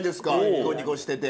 ニコニコしてて。